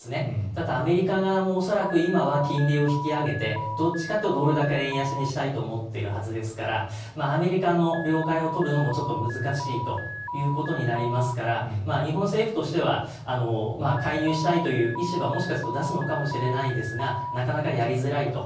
ただ、アメリカ側も恐らく今は金利を引き上げてどっちかというとドル高・円安にしたいと思っているはずですからアメリカの了解を取るのもちょっと難しいということになりますから日本政府としては介入したいという意思はもしかすると出すのかもしれませんがなかなかやりづらいと。